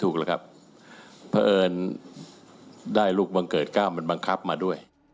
แต่เพราะเอิญแล้วแล้วก็ได้ลูกวันเกิดาก่อมันบนบินกับลำบังครับมาด้วย